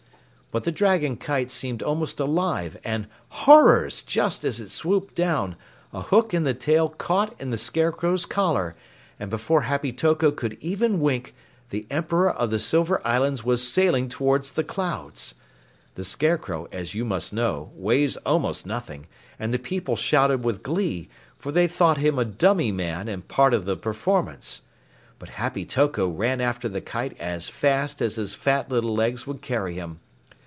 But the dragon kite seemed almost alive, and horrors! Just as it swooped down, a hook in the tail caught in the Scarecrow's collar, and before Happy Toko could even wink, the Emperor of the Silver Islands was sailing towards the clouds. The Scarecrow, as you must know, weighs almost nothing, and the people shouted with glee, for they thought him a dummy man and part of the performance. But Happy Toko ran after the kite as fast as his fat little legs would carry him.